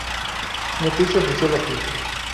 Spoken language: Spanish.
Noticia oficial Aquí